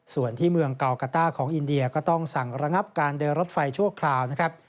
ส่วนที่เมืองเกากาต้าของอินเดียก็ต้องสั่งระงับการเดินรถไฟชั่วคราวนะครับ